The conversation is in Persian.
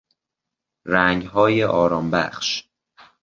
رنگهای آرامبخش